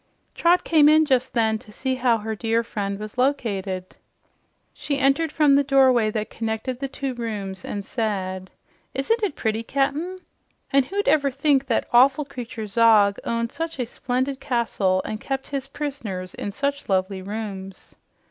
Trot came in just then to see how her dear friend was located. She entered from the doorway that connected the two rooms and said, "Isn't it pretty, Cap'n? And who'd ever think that awful creature Zog owned such a splendid castle and kept his prisoners in such lovely rooms?"